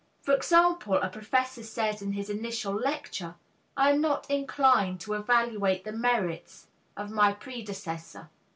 For example, a professor says in his initial lecture, "I am not inclined to evaluate the merits of my predecessor."